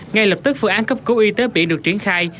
ngay lập tức phương án cấp cứu y tế bị được triển khai